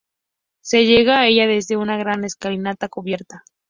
Se llega a ella desde una gran escalinata cubierta.